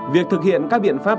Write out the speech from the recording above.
việc thực hiện các biện pháp